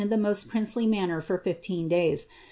9B5 le most princely manner for fifteen days.